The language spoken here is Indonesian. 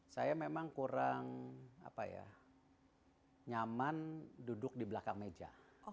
saya memang kurang nyaman duduk di belakang meja